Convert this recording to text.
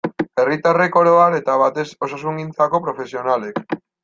Herritarrek oro har, eta batez osasungintzako profesionalek.